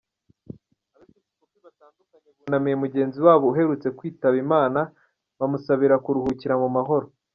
Abepisikopi batandukanye bunamiye mugenzi wabo uherutse kwitaba Imana, bamusabira kuruhukira mu mahoro.